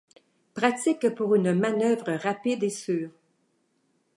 Pratique pour une manœuvre rapide et sûre.